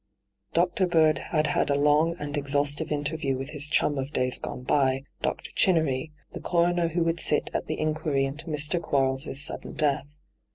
Dr. Bird had had a long and exhaustive interview witii his chum of days gone by, Dr. Chinnery, the coroner who would sit at the inquiry into Mr. Quarles' sudden death.